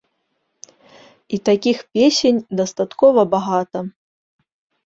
І такіх песень дастаткова багата.